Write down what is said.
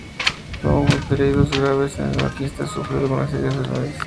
No hubo heridos graves, el maquinista sufrió algunas heridas leves.